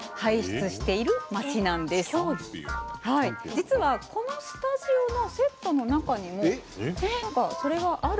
実はこのスタジオのセットの中にも何かそれがある。